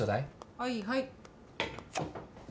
はいはい。